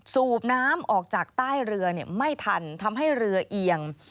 สูบน้ำออกจากใต้เรือไม่ทันทำให้เรือเอียง